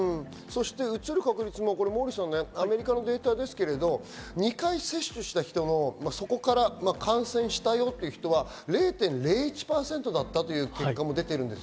うつる確率もモーリーさん、アメリカのデータですけど、２回接種した人、そこから感染したよという人は０．０１％だったという結果も出ています。